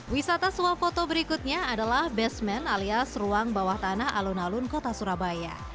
wisata suap foto berikutnya adalah basement alias ruang bawah tanah alun alun kota surabaya